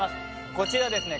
こちらですね